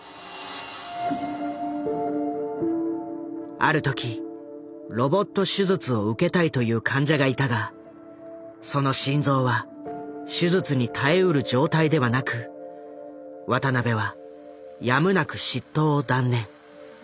ある時ロボット手術を受けたいという患者がいたがその心臓は手術に耐えうる状態ではなく渡邊はやむなく執刀を断念。